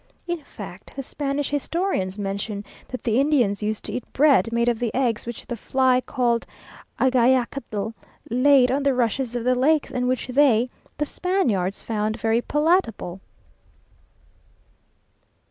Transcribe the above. In fact the Spanish historians mention that the Indians used to eat bread made of the eggs which the fly called agayacatl laid on the rushes of the lakes, and which they (the Spaniards) found very palatable.